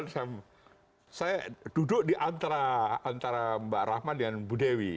saya duduk di antara mbak rahma dengan bu dewi